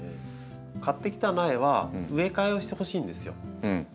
買ってきた苗は植え替えをしてほしいんですよ。